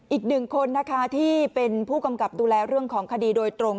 อีกหนึ่งคนนะคะที่เป็นผู้กำกับดูแลเรื่องของคดีโดยตรง